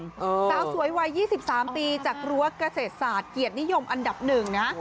สาวสวยวัย๒๓ปีจากรั้วเกษตรศาสตร์เกียรตินิยมอันดับหนึ่งนะ